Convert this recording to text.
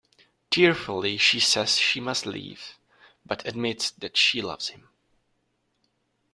Tearfully she says she must leave, but admits that she loves him.